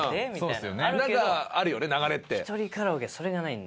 なんかあるよね流れって。